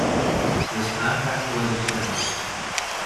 This contract was extended.